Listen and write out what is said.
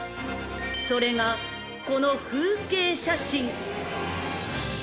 ［それがこの風景写真］